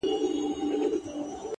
كوم حميد به خط و خال كاغذ ته يوسي؛